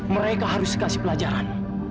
mereka harus dikasih pelajaran